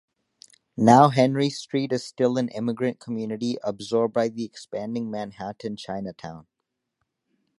Now Henry Street is still an immigrant community, absorbed by the expanding Manhattan Chinatown.